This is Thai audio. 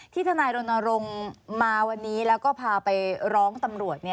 ทนายรณรงค์มาวันนี้แล้วก็พาไปร้องตำรวจ